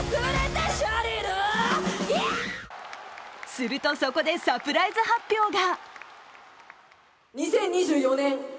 すると、そこでサプライズ発表が。